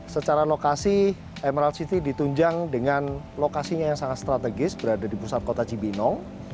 secara lokasi emerald city ditunjang dengan lokasinya yang sangat strategis berada di pusat kota cibinong